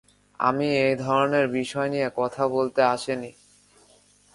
আমি এই ধরনের বিষয় নিয়ে কথা বলতে আসিনি।